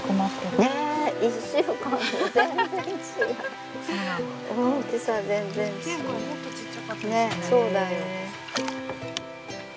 ねえそうだよ。